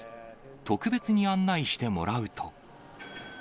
特別に案内してもらうと。